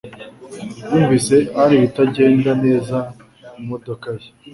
Yumvise hari ibitagenda neza mumodoka ye.